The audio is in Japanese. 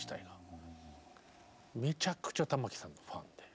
めちゃくちゃ玉置さんのファンで。